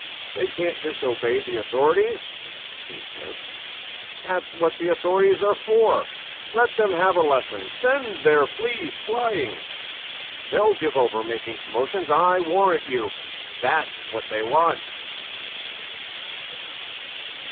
"They can't disobey the authorities," he said; "that's what the authorities are for. Let them have a lesson; send their fleas flying! They'll give over making commotions, I warrant you. That's what they want."